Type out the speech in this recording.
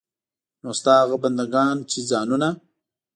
نو ستا هغه بندګان چې ځانونه.